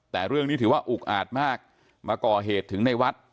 แต่เรื่องนี้ถือว่าอุกอาจมากมาก่อเหตุถึงในวัด